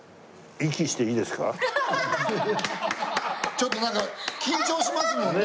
ちょっとなんか緊張しますもんね。